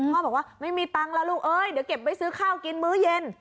พ่อบอกว่าไม่มีตังค์ล่ะลูกเดี๋ยวเก็บไปซื้อข้าวกินมื้อยิ้น